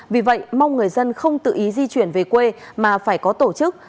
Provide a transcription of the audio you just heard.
vì vậy mong người dân không tự ý di chuyển về quê mà phải có tổ chức